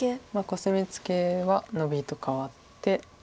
コスミツケはノビと換わって。